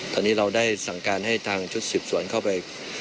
ตอนนี้เราได้สั่งการให้ทางชุดสืบสวนเข้าไป